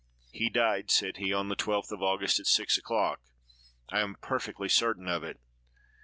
"He died," said he, "on the 12th of August, at six o'clock; I am perfectly certain of it!"